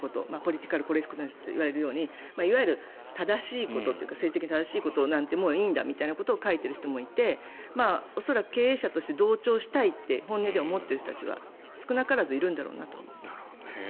ポリティカル・コレクトネスといわれるようにいわゆる正しいことということとか政治的に正しいことはいいんだと書いている人もいて恐らく経営者として同調したいって本音では思っている人たちは少なからずいるんだろうと思います。